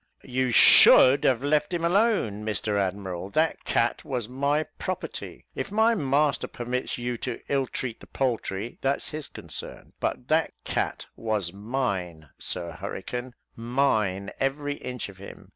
"You should have left him alone, Mr Admiral; that cat was my property; if my master permits you to ill treat the poultry, that's his concern; but that cat was mine, Sir Hurricane mine, every inch of him.